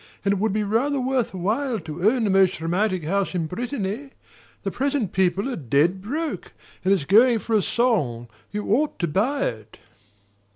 And it would be rather worth while to own the most romantic house in Brittany. The present people are dead broke, and it's going for a song you ought to buy it."